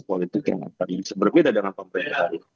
politik yang berbeda dengan pemerintahan